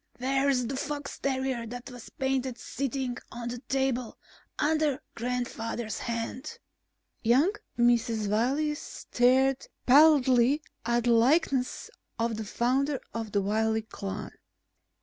Where is the fox terrier that was painted sitting on the table under Grandfather's hand?" Young Mrs. Wiley stared pallidly at the likeness of the founder of the Wiley clan.